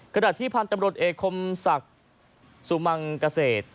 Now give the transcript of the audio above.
ขณะที่พันธุ์ตำรวจเอกคมศักดิ์สุมังเกษตร